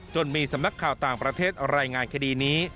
มีสำนักข่าวต่างประเทศรายงานคดีนี้